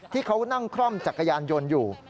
ที่เขานั่งคล่อมจักรยานยนต์อยู่